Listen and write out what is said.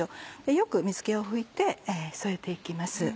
よく水気を拭いて添えて行きます。